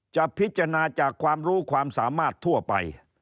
จะพิจารณาจากความรู้ความสามารถทั่วไป